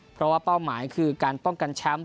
เพราะว่าเป้าหมายคือการป้องกันแชมป์